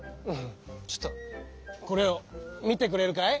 ちょっとこれを見てくれるかい？